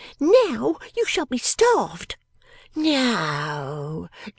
Now you shall be starved.